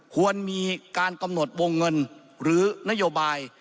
ควรมีการกำหนดวงเงินหรือนโยบาย